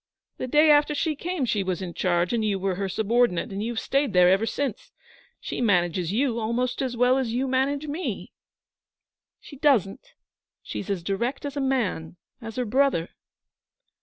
_ The day after she came she was in charge and you were her subordinate, and you've stayed there ever since. She manages you almost as well as you manage me.' 'She doesn't, and that's why I love her. She's as direct as a man as her brother.'